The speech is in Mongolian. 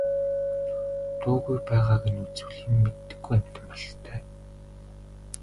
Дуугүй байгааг нь үзвэл юм мэддэггүй амьтан бололтой.